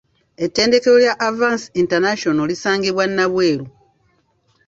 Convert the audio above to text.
Ettendekero lya Avance International lisangibwa Nabweru.